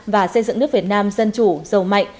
và xây dựng nước việt nam dân chủ giàu mạnh